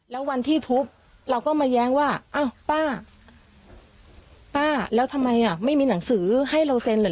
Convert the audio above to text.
แล้ววันที่ทุบเราก็มาแย้งว่าอ้าวป้าป้าแล้วทำไมอ่ะไม่มีหนังสือให้เราเซ็นเหรอ